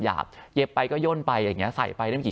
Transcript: สุดท้ายแล้วนักเรียนก็ต้องเจอผู้คนมากมายที่แต่งตัวธรรมดาปกติอยู่ดี